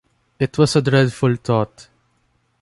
It was a dreadful thought.